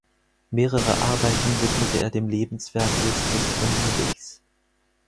Mehrere Arbeiten widmete er dem Lebenswerk Justus von Liebigs.